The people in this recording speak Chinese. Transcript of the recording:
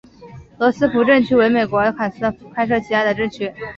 罗斯福镇区为美国堪萨斯州第开特县辖下的镇区。